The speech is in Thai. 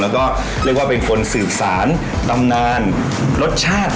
แล้วก็เรียกว่าเป็นคนสืบสารตำนานรสชาติ